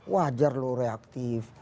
wajar loh reaktif